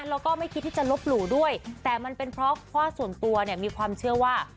แล้วก็ไม่คิดที่จะลบหลู่ด้วยแต่มันเป็นเพราะพ่อส่วนตัวเนี่ยมีความเชื่อว่า